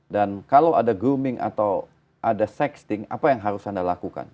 dan kalau ada grooming atau ada sexting apa yang harus anda lakukan